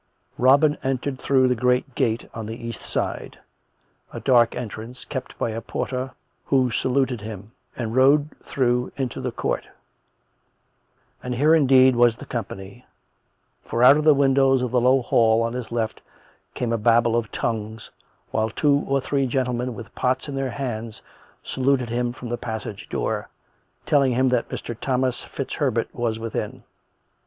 Robin entered through the great gate on the east side — a dark entrance kept by a porter who saluted him — and rode through into the court; and here, indeed, was the company; for out of the windows of the low hall on his left came a babble of tongues, while two or three gentlemen with pots in their hands saluted him from the passage door, telling him that Mr. Thomas FitzHerbert was within.